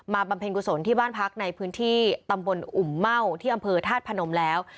บำเพ็ญกุศลที่บ้านพักในพื้นที่ตำบลอุ่มเม่าที่อำเภอธาตุพนมแล้ว